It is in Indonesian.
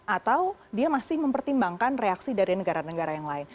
atau dia masih mempertimbangkan reaksi dari negara negara yang lain